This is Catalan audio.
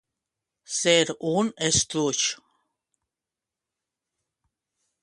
Ser un estruç.